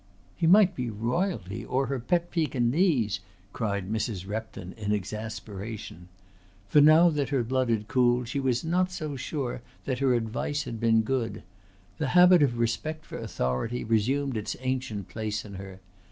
"He might be Royalty or her pet Pekingese," cried Mrs. Repton in exasperation. For now that her blood had cooled she was not so sure that her advice had been good. The habit of respect for authority resumed its ancient place in her.